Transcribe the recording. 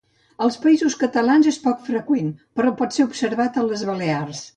Als Països Catalans és poc freqüent però pot ser observat a les Balears.